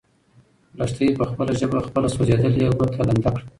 لښتې په خپله ژبه خپله سوځېدلې ګوته لنده کړه.